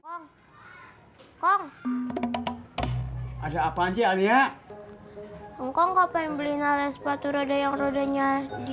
kong kong ada apaan cial ya engkau ngapain beli nalai sepatu roda yang rodanya di